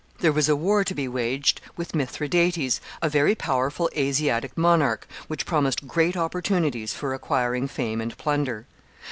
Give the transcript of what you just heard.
There was a war to be waged with Mithridates, a very powerful Asiatic monarch, which promised great opportunities for acquiring fame and plunder.